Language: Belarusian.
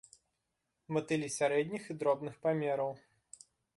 Матылі сярэдніх і дробных памераў.